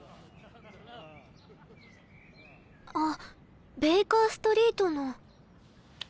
あっベーカーストリートの。